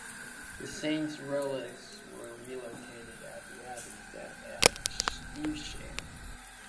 The saint's relics were relocated to the Abbey at Evesham.